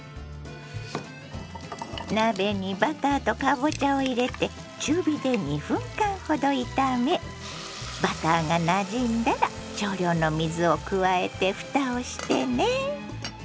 鍋にバターとかぼちゃを入れて中火で２分間ほど炒めバターがなじんだら少量の水を加えてふたをしてね。